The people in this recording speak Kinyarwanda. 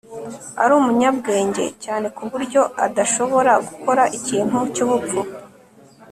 Ari umunyabwenge cyane kuburyo adashobora gukora ikintu cyubupfu